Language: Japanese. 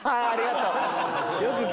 ありがとう。